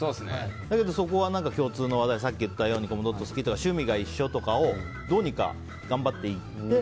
だけど、そこは共通の話題さっき言ったみたいなコムドットが好きとか趣味が一緒とかをどうにか頑張って。